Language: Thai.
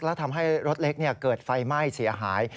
และทำให้รถเล็กเกิดไฟไหม้เสียหาย